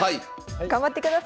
頑張ってください。